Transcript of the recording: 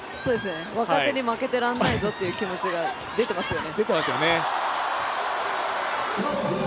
若手に負けてられないぞというのが出てますよね。